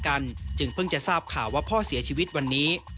กันจึงเพิ่งจะทราบข่าวว่าพ่อเสียชีวิตวันนี้